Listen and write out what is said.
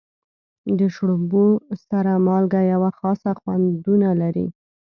د شړومبو سره مالګه یوه خاصه خوندونه لري.